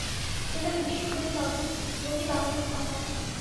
সেখানে বিশ্বপতিবাবু ধনী বাঙালি মহাজন।